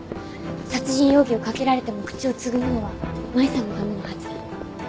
殺人容疑をかけられても口をつぐむのは麻衣さんのためのはず。